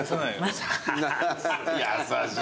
優しい。